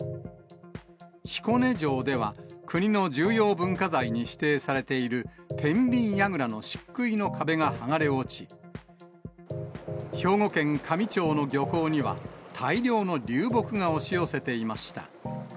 彦根城では、国の重要文化財に指定されている天秤櫓のしっくいの壁が剥がれ落ち、兵庫県香美町の漁港には、大量の流木が押し寄せていました。